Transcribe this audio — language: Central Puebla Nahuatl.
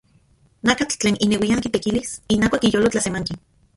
Nakatl tlen ineuian kitekilis inauak iyolo tlasemanki.